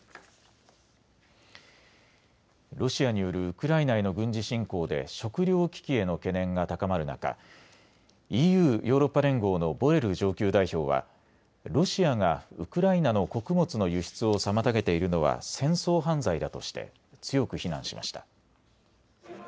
ロシアによるウクライナへの軍事侵攻で食料危機への懸念が高まる中、ＥＵ・ヨーロッパ連合のボレル上級代表はロシアがウクライナの穀物の輸出を妨げているのは戦争犯罪だとして強く非難しました。